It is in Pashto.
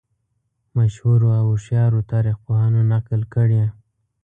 مشهورو او هوښیارو تاریخ پوهانو نقل کړې.